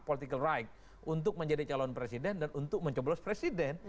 political right untuk menjadi calon presiden dan untuk mencoblos presiden